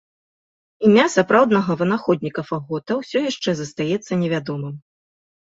Імя сапраўднага вынаходніка фагота ўсё яшчэ застаецца невядомым.